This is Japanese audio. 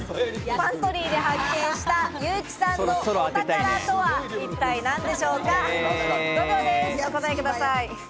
パントリーで発見した優木さんのお宝とは一体何でしょうか？